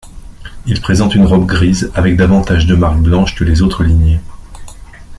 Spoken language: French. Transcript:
Ils présentent une robe grise, avec davantage de marques blanches que les autres lignées.